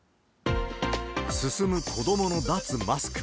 進む子どもの脱マスク。